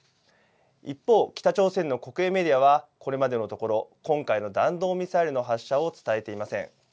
一方、北朝鮮の国営メディアは、これまでのところ、今回の弾道ミサイルの発射を伝えていません。